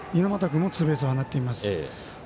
猪俣君もツーベースを放っています。